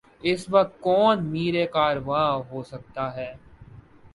اس وقت کون میر کارواں ہو سکتا ہے؟